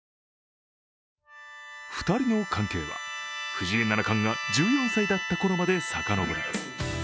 ２人の関係は、藤井七冠が１４歳だったころまで遡ります。